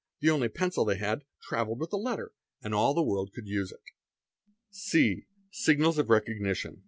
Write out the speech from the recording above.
The only pen cil they had travelled with the letter, and all the world could use it. ont C. Signals of recognition.